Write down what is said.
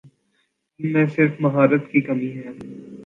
Team میں صرف مہارت کی کمی ہے ۔